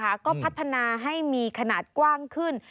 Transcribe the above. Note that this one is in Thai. ก็พัฒนาให้มีขนาดกว้างขึ้น